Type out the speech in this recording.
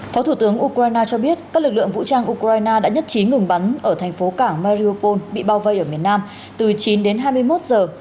phó thủ tướng ukraine cho biết các lực lượng vũ trang ukraine đã nhất trí ngừng bắn ở thành phố cảng maryopool bị bao vây ở miền nam từ chín đến hai mươi một giờ